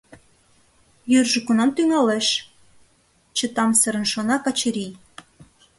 «Йӱржӧ кунам тӱҥалеш? — чытамсырын шона Качырий.